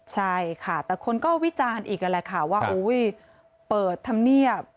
ใช่ค่ะแต่คนก็วิจารณ์อีกนั่นแหละค่ะว่าเปิดธรรมเนียบ